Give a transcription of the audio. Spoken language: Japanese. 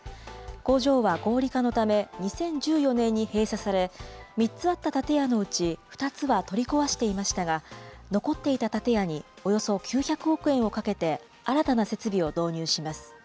工場は合理化のため、２０１４年に閉鎖され、３つあった建屋のうち２つは取り壊していましたが、残っていた建屋におよそ９００億円をかけて新たな設備を導入します。